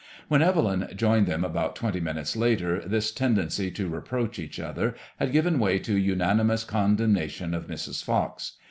When Evel}ai joined them about twenty minutes later, this tendency to reproach each other had given way to unanimous condemnation of Mrs. Fox.